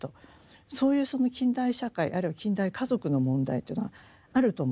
そういうその近代社会あるいは近代家族の問題というのがあると思うんですよね。